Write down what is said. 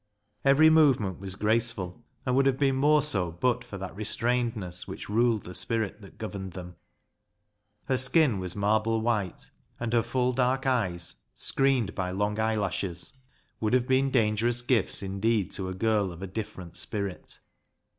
Every movement was graceful, and would have been more so but for that restrainedness which ruled the spirit that governed them. Her skin was marble white, and her full, dark eyes, screened by long eyelashes, would have been 42 BECKSIDE LIGHTS dangerous gifts indeed to a girl of a different spirit.